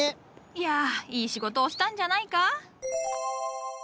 いやあいい仕事をしたんじゃないか。